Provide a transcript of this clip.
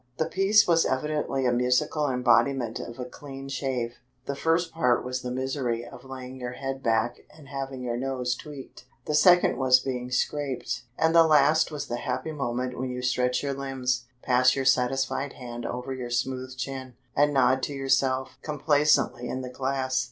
The piece was evidently a musical embodiment of a clean shave: the first part was the misery of laying your head back and having your nose tweaked; the second was the being scraped; and the last was the happy moment when you stretch your limbs, pass your satisfied hand over your smooth chin, and nod to yourself complacently in the glass.